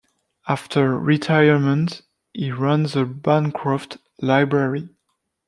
After retirement, he ran the Bancroft Library.